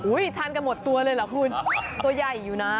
ทานกันหมดตัวเลยเหรอคุณตัวใหญ่อยู่นะ